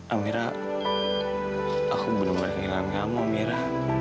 amira aku bener bener ingat kamu amira